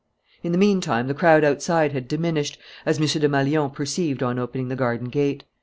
In the meantime the crowd outside had diminished, as M. Desmalions perceived on opening the garden gate.